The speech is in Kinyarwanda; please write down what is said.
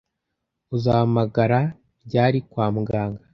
Uzahamagara ryari kwa muganga